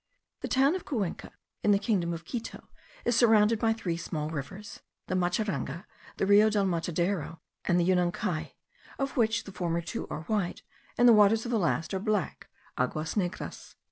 The town of Cuenca in the kingdom of Quito, is surrounded by three small rivers, the Machangara, the Rio del Matadero, and the Yanuncai; of which the two former are white, and the waters of the last are black (aguas negras).